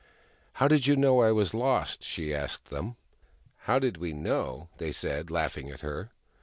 " How did you know I was lost ?" she asked them. " How did we know ?" they said, laughing at her.